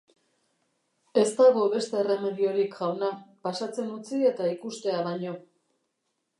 Ez dago beste erremediorik, jauna, pasatzen utzi eta ikustea baino!